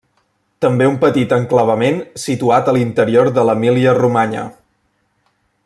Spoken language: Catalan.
També un petit enclavament situat a l'interior de l'Emília-Romanya.